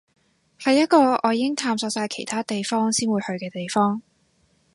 係一個我已經探索晒其他地方先會去嘅地方